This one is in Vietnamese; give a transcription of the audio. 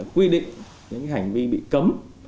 quy định những hành vi bị cấm